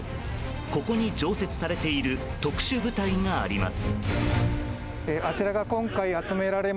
ここに常設されている特殊部隊があります。